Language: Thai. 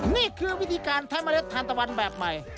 นี่คือวิธีการใช้เมล็ดทานตะวันแบบใหม่